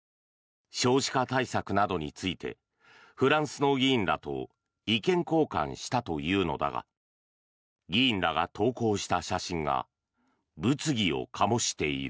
少子化対策などについてフランスの議員らと意見交換したというのだが議員らが投稿した写真が物議を醸している。